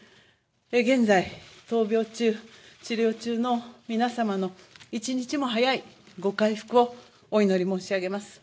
現在、闘病中、治療中の皆様の一日も早いご回復をお祈り申し上げます。